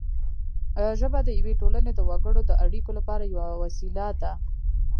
ژبه د یوې ټولنې د وګړو د اړیکو لپاره یوه وسیله ده